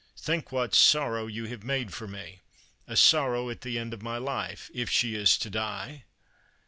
Think what sorrow you have made for me — a sorrow at the end of my life — if she is to die."